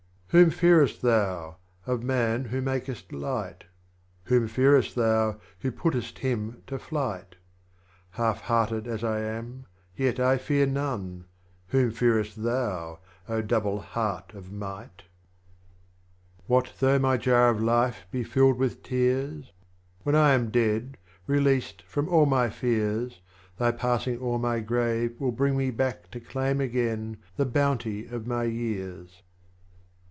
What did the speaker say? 41. Whom fearest Thou, of Man who makest light ? Whom fearest Thou, Who puttest him to flight ? Half hearted as I am, yet I fear none ; Whom fearest Thou, Double Heart of might ? 42. What though my Jar of Life be filled with Tears ? When I am dead, released from all my Fears, Thy passing o'er my Grave will bring me back To claim again the Bounty of my years.